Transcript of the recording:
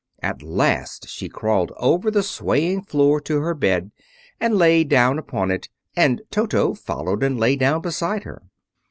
At last she crawled over the swaying floor to her bed, and lay down upon it; and Toto followed and lay down beside her.